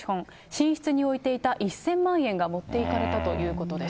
寝室に置いていた１０００万円が持っていかれたということです。